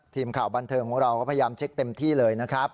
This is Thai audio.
ทีมข่าวบันเทิงของเราก็พยายามเช็คเต็มที่เลยนะครับ